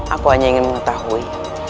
aku hanya ingin mengetahui